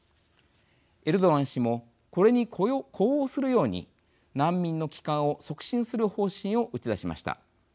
エルドアン氏もこれに呼応するように難民の帰還を促進する方針を打ち出しました。